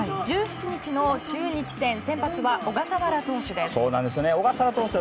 １７日、中日戦先発は小笠原投手。